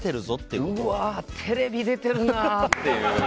うわー、テレビ出てるなって。